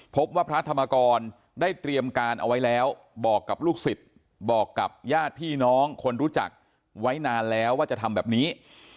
พระธรรมกรได้เตรียมการเอาไว้แล้วบอกกับลูกศิษย์บอกกับญาติพี่น้องคนรู้จักไว้นานแล้วว่าจะทำแบบนี้